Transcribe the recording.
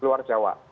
terus luar jawa